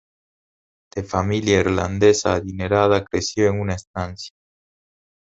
De familia irlandesa adinerada, creció en una estancia.